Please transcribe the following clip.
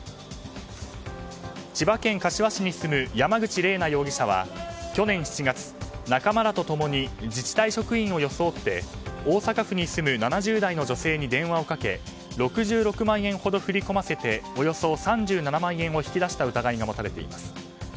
千葉県柏市に住む山口玲稲容疑者は去年７月、仲間らと共に自治体職員を装って大阪府に住む７０代の女性に電話をかけ６６万円ほど振り込ませておよそ３７万円を引き出した疑いが持たれています。